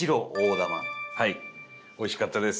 高橋：おいしかったです。